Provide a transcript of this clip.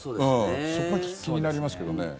そこが気になりますね。